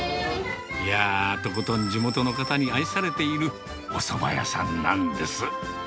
いやぁ、とことん地元の方に愛されているおそば屋さんなんです。